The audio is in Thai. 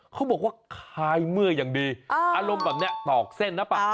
เขาบอกว่าคายเมื่อยังดีอารมณ์แบบนี้ตอกเส้นนะปะ